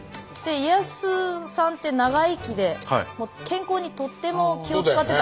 家康さんって長生きで健康にとっても気を遣ってた。